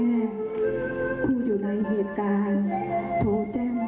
ปอยเจ็บมากปอยคิดถึงแม่ปอยอยากกลับบ้านไปท้าแม่